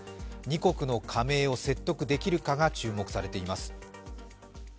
２国の加盟を説得できるかが注目されています。